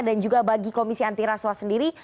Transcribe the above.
dan juga bagi komisi antiraswa sendiri